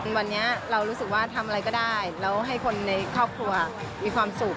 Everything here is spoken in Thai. วันนี้เรารู้สึกว่าทำอะไรก็ได้แล้วให้คนในครอบครัวมีความสุข